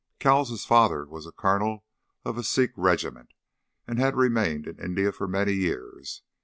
Cowles' father was the colonel of a Sikh regiment and had remained in India for many years.